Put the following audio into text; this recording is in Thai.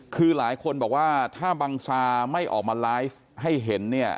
คือหลายคนบอกว่าถ้าบังซาไม่ออกมาไลฟ์ให้เห็นเนี่ย